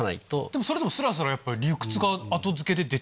でもそれでもスラスラやっぱり理屈が後付けで出ちゃう。